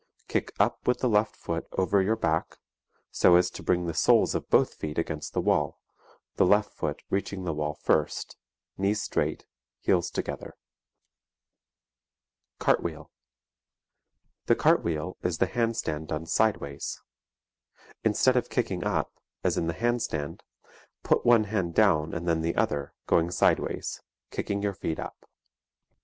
Kick up with the left foot over your back so as to bring the soles of both feet against the wall, the left foot reaching the wall first; knees straight, heels together. [Illustration: The Hand Stand on the Flat (A, B), and Near a Wall] CARTWHEEL The cartwheel is the hand stand done sidewise. Instead of kicking up, as in the hand stand, put one hand down and then the other, going sidewise, kicking your feet up.